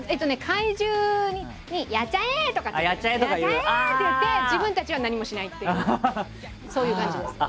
怪獣に「やっちゃえ！」って言って自分たちは何もしないっていうそういう感じです。